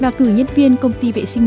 và cử nhân viên công ty vệ sinh nước